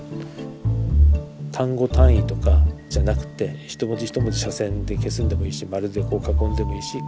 単語単位とかじゃなくて一文字一文字斜線で消すんでもいいし丸でこう囲んでもいいし。